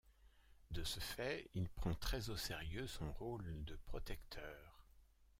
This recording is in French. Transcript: De ce fait, il prend très au sérieux son rôle de protecteur.